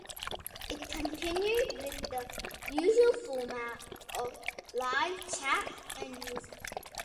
It continued with the usual format of live chat and music.